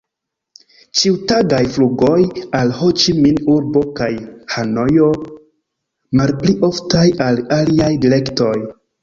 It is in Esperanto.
Ĉiutagaj flugoj al Ho-Ĉi-Min-urbo kaj Hanojo, malpli oftaj al aliaj direktoj.